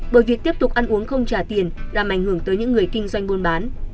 bởi việc tiếp tục ăn uống không trả tiền đã mảnh hưởng tới những người kinh doanh buôn bán